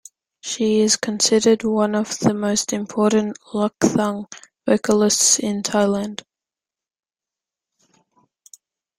She is considered one of the most important Luk Thung vocalists in Thailand.